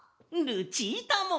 ルチータも！